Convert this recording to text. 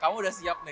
kamu udah siap nih